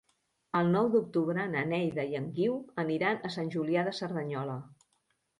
El nou d'octubre na Neida i en Guiu aniran a Sant Julià de Cerdanyola.